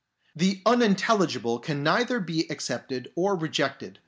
The unintelligible can neither be accepted nor rejected.